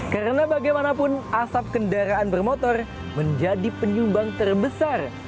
karena bagaimanapun asap kendaraan bermotor menjadi penyumbang terbesar